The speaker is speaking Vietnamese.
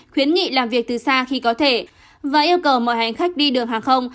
khuyến nghị làm việc từ xa khi có thể và yêu cầu mọi hành khách đi đường hàng không